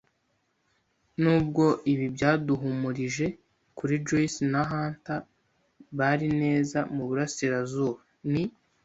nubwo ibi byaduhumurije kuri Joyce na Hunter, bari neza muburasirazuba, ni